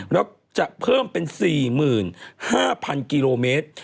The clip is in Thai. แล้วจะเพิ่มเป็น๔๕๐๐กิโลเมตร